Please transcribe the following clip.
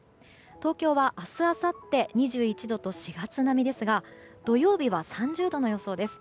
東京は明日あさって２１度と４月並みですが土曜日は３０度の予想です。